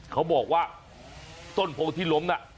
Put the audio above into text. เขาบอกว่าต้นโพที่ล้มน่ะ